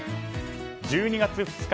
１２月２日